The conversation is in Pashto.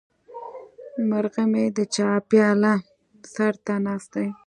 مرغه مې د چای پیاله سر ته ناست دی.